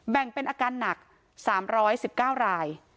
แบ่งเป็นอาการหนัก๓๑๙ราย